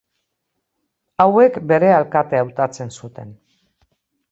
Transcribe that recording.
Hauek bere alkate hautatzen zuten.